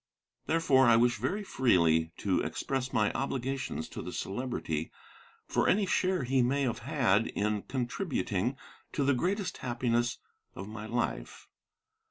Therefore, I wish very freely to express my obligations to the Celebrity for any share he may have had in contributing to the greatest happiness of my life.